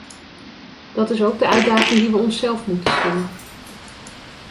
Dat is ook de uitdaging die wij ons zelf moeten stellen.